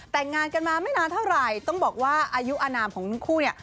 แต่งงานกันมาไม่นานเท่าไหร่ต้องบอกว่าอายุอนามของทั้งคู่เนี่ย